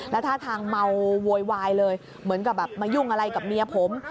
แล้วท่าทางเมาโวยวายเลยเหมือนกับแบบมายุ่งอะไรกับเมียผม